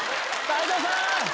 泰造さん！